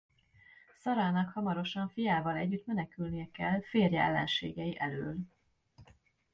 Sarának hamarosan fiával együtt menekülnie kell férje ellenségei elől.